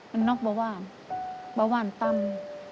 มันนกบะหวานบะหวานตำ